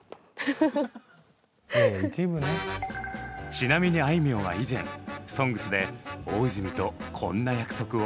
ちなみにあいみょんは以前「ＳＯＮＧＳ」で大泉とこんな約束を。